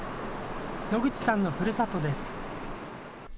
野口さんのふるさとです。